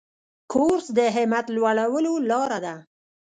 کورس د همت لوړولو لاره ده.